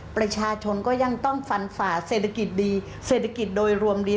ประชาชนก็ยังต้องฟันฝ่าเศรษฐกิจดีเศรษฐกิจโดยรวมดี